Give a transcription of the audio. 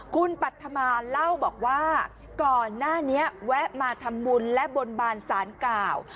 คุณปัธมาเล่าบอกว่าก่อนหน้านี้แวะมาทำบุญและบนบานสารกล่าว